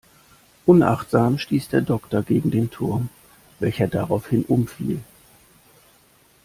Unachtsam stieß der Doktor gegen den Turm, welcher daraufhin umfiel.